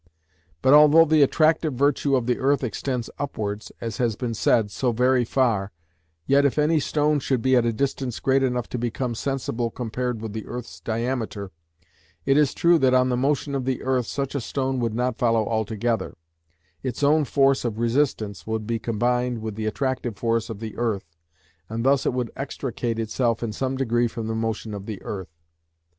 But although the attractive virtue of the earth extends upwards, as has been said, so very far, yet if any stone should be at a distance great enough to become sensible compared with the earth's diameter, it is true that on the motion of the earth such a stone would not follow altogether; its own force of resistance would be combined with the attractive force of the earth, and thus it would extricate itself in some degree from the motion of the earth."